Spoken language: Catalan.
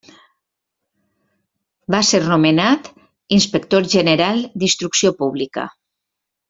Va ser nomenat Inspector General d'Instrucció Pública.